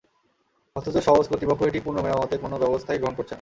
অথচ সওজ কর্তৃপক্ষ এটি পুনঃ মেরামতে কোনো ব্যবস্থাই গ্রহণ করছে না।